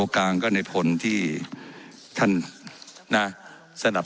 ว่าการกระทรวงบาทไทยนะครับ